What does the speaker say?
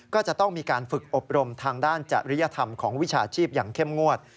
ก็จะต้องมีการฝึกอบรมทางด้านจริยธรรมของวิชาชีพอย่างเข้มงวด